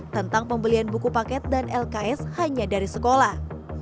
tentang pembelian buku paket dan lks hanya dari sekolah